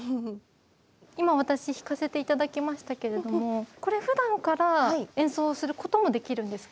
今私弾かせて頂きましたけれどもこれふだんから演奏することもできるんですか？